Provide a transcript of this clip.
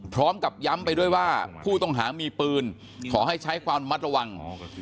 พร้อมกับย้ำไปด้วยว่าผู้ต้องหามีปืนขอให้ใช้ความมัดระวัง